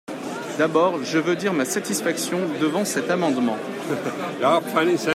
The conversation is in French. D’abord, je veux dire ma satisfaction devant cet amendement.